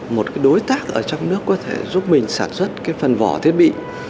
một cái đối tác ở trong nước có thể giúp mình sản xuất phần vỏ thiết bị